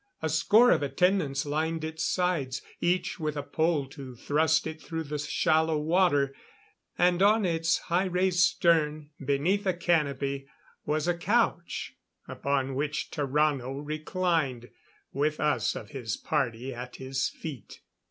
A score of attendants lined its sides, each with a pole to thrust it through the shallow water. And on its high raised stern, beneath a canopy was a couch upon which Tarrano reclined, with us of his party at his feet.